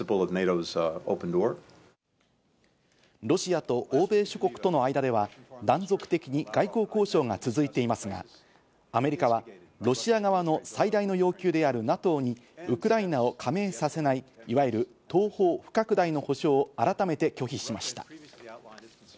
ロシアと欧米諸国との間では断続的に外交交渉が続いていますが、アメリカはロシア側の最大の要求であるＮＡＴＯにウクライナを加盟させない、いわゆる東方不拡大の保証を改めて拒否しました。